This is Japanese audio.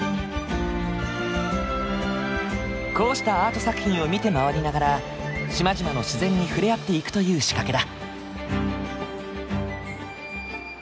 こうしたアート作品を見て回りながら島々の自然に触れ合っていくという仕掛けだ。